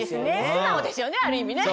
素直ですよねある意味ね。